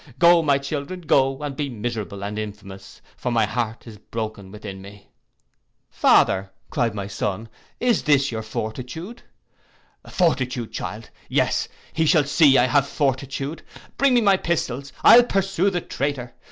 Go, my children, go, and be miserable and infamous; for my heart is broken within me!'—'Father,' cried my son, "is this your fortitude?'—'Fortitude, child! Yes, he shall see I have fortitude! Bring me my pistols. I'll pursue the traitor.